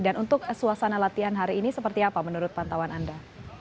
dan untuk suasana latihan hari ini seperti apa menurut pantauan anda